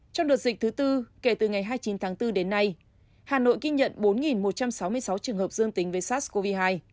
trong đợt dịch thứ tư kể từ ngày hai mươi chín tháng bốn đến nay hà nội ghi nhận bốn một trăm sáu mươi sáu trường hợp dương tính với sars cov hai